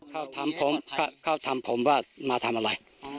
เขาถามผมว่ามาทำอะไร